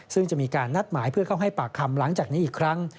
ซึ่งจะมีการนัดหมายเพื่อเข้าให้ปากคำหลังจากนี้อีกครั้ง